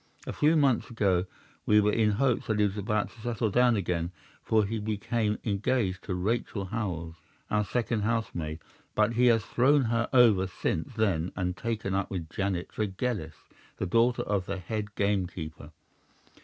A few months ago we were in hopes that he was about to settle down again for he became engaged to Rachel Howells, our second housemaid; but he has thrown her over since then and taken up with Janet Tregellis, the daughter of the head gamekeeper.